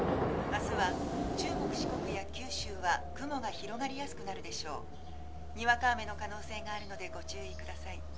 明日は中国四国や九州は雲が広がりやすくなるでしょうにわか雨の可能性があるのでご注意ください